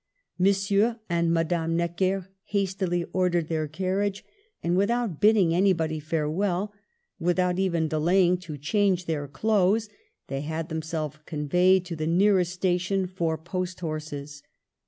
M. and Madame Necker hastily ordered their carriage and, without bidding anybody fare well, without even delaying to change their clothes, they had themselves conveyed to the nearest station for post horses.